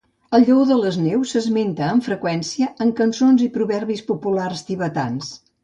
El lleó de les neus s'esmenta amb freqüència en cançons i proverbis populars tibetans.